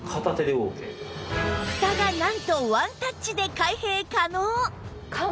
ふたがなんとワンタッチで開閉可能！